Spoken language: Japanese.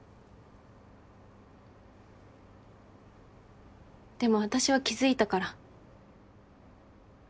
でも私は気付いたから。